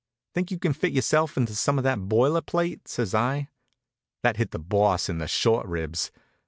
"Think you can fit yourself into some of that boiler plate?" says I. That hit the Boss in the short ribs.